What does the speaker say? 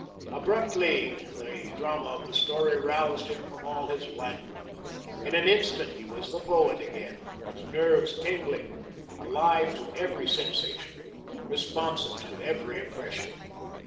Abruptly the drama of the story roused him from all his languor. In an instant he was the poet again, his nerves tingling, alive to every sensation, responsive to every impression.